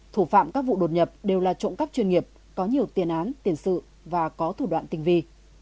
thủ phạm các vụ đột nhập đều là trộm cắp chuyên nghiệp có nhiều tiền án tiền sự và có thủ đoạn tình vi